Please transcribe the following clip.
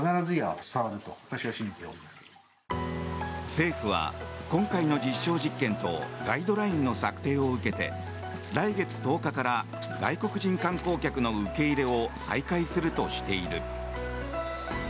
政府は今回の実証実験とガイドラインの策定を受けて来月１０日から外国人観光客の受け入れを再開するとしている。